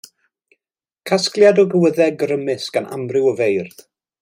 Casgliad o gywyddau grymus gan amryw o feirdd.